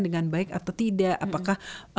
dengan baik atau tidak apakah